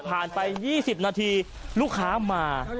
ไป๒๐นาทีลูกค้ามา